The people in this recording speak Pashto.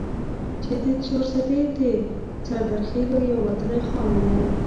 چې د چارسدي د سردرخيلو يو وتلے خان وو ،